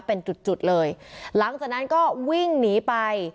เป็นจุดจุดเลยหลังจากนั้นก็วิ่งหนีไป